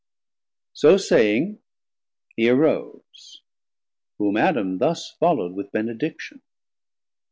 So saying, he arose; whom Adam thus Follow'd with benediction.